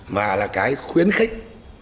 mà là cái khuyến khích